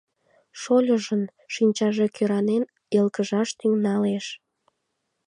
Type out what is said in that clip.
Шольыжын шинчаже кӧранен йылгыжаш тӱҥалеш.